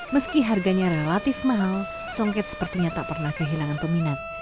meski harganya relatif mahal songket sepertinya tak pernah kehilangan peminat